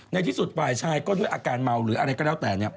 ในที่สุดฝ่ายชายก็ด้วยอาการเมาหรืออะไรก็แล้วแต่เนี่ย